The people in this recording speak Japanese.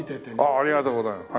ありがとうございます。